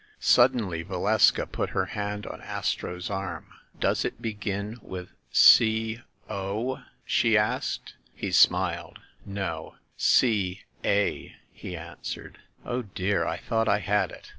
Suddenly Valeska put her hand on Astro's arm. "Does it begin with 'C o'?" she asked. He smiled. "No, 'C a,' " he answered. "Oh, dear, I thought I had it !